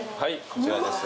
こちらです。